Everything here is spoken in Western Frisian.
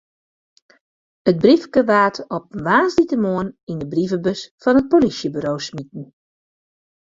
It briefke waard op in woansdeitemoarn yn de brievebus fan it polysjeburo smiten.